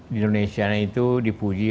di indonesia itu dipuji